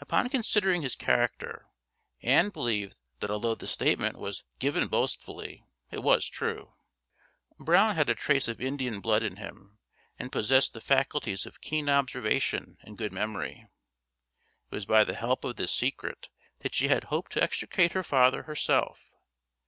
Upon considering his character Ann believed that although the statement was given boastfully it was true. Brown had a trace of Indian blood in him, and possessed the faculties of keen observation and good memory. It was by the help of this secret that she had hoped to extricate her father herself.